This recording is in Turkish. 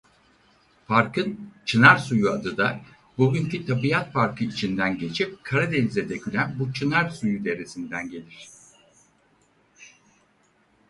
Parkın "Çınarsuyu" adı da bugünkü tabiat parkı içinden geçip Karadeniz'e dökülen bu Çınarsuyu Deresi'nden gelir.